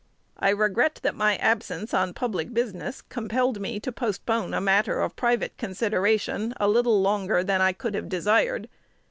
I regret that my absence on public business compelled me to postpone a matter of private consideration a little longer than I could have desired.